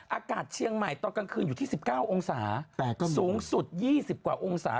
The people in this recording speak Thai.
อากาศเชียงใหม่ตอนกลางคืนอยู่ที่๑๙องศาสูงสุด๒๐กว่าองศา